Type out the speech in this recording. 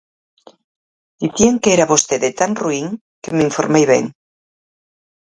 Dicían que era vostede tan ruín que me informei ben...